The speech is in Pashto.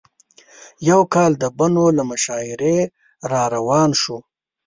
یو کال د بنو له مشاعرې راروان شوو.